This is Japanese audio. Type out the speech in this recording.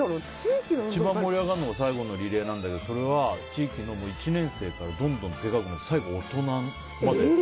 一番盛り上がるのが最後のリレーなんだけどそれは小さい子からどんどん大きくなって最後大人まで。